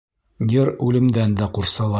Йыр үлемдән дә ҡурсалай.